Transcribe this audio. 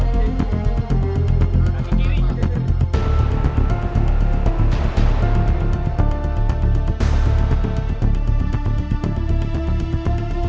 berita terkini about